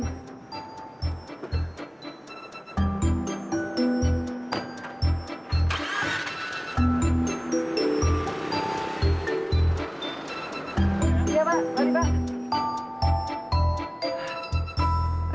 iya pak mari pak